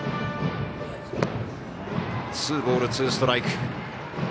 ツーボール、ツーストライク。